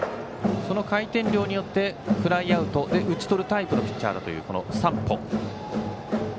その回転量によってフライアウトで打ち取るタイプのピッチャーだという山保。